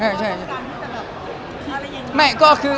มาเปิดหลังเราก็กำกันที่จะแบบอะไรอย่างนี้